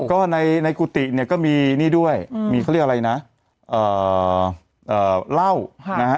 ก็ในในกุฏิเนี้ยก็มีนี่ด้วยมีเขาเรียกอะไรนะเอ่อเอ่อเล่านะฮะ